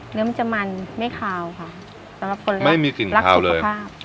เนื้อมันจะมันไม่คาวค่ะสำหรับคนไม่มีกลิ่นรักสุขภาพ